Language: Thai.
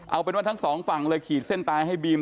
เอาเป็นว่าทั้งสองฝั่งเลยขีดเส้นตายให้บีม